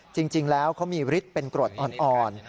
จริงแล้วเขามีฤทธิ์เป็นกรดอ่อน